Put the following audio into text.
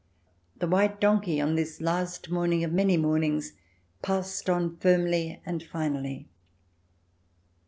The white donkey on this last morning of many mornings passed on firmly and finally.